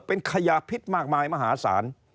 เป็นขยะพิษมากมายมหาศาล